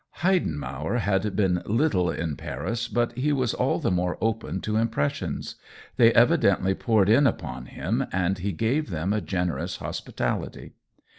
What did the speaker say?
Heidenmauer had been little in Paris, but he was all the more open to im pressions; they evidently poured in upon him and he gave them a generous hospitality.